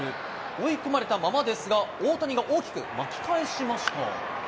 追い込まれたままですが、大谷が大きく巻き返しました。